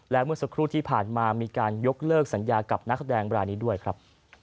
และเมื่อสักครู่ที่ผ่านมามีการยกเลิกสัญญากับนักแสดงรายนี้ด้วยครับ